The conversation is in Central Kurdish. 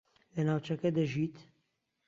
لە ناوچەکە دەژیت؟